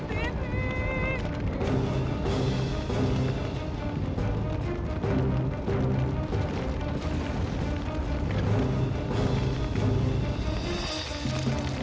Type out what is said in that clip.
diri aku ingat diri